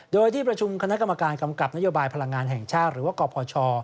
โดยที่ประชุมคณะกรรมการกำกับนโยบายพลังงานแห่งชาติหรือว่ากพช